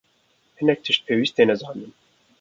Hinek tişt pêwîst têne zanîn.